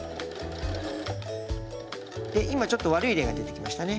で今ちょっと悪い例が出てきましたね。